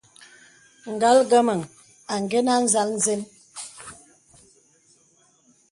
Ngal ngəməŋ àngənə́ à nzāl nzə́n.